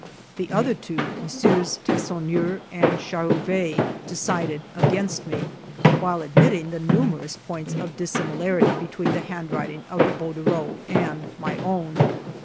The other two, MM. Teyssonnieres and Charavay, decided against me, while admitting the numerous points of dissimi larity between the handwriting of the bordereau and my own.